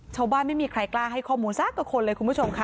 ไม่มีใครกล้าให้ข้อมูลสักกับคนเลยคุณผู้ชมค่ะ